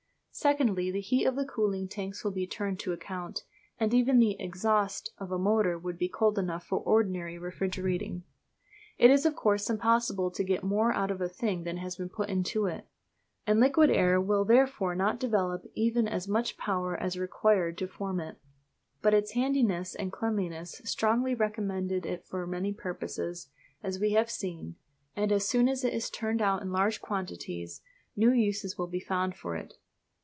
Secondly, the heat of the cooling tanks will be turned to account, and even the "exhaust" of a motor would be cold enough for ordinary refrigerating. It is, of course, impossible to get more out of a thing than has been put into it; and liquid air will therefore not develop even as much power as was required to form it. But its handiness and cleanliness strongly recommend it for many purposes, as we have seen; and as soon as it is turned out in large quantities new uses will be found for it.